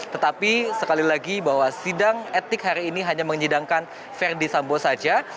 tetapi sekali lagi bahwa sidang etik hari ini hanya menyidangkan verdi sambo saja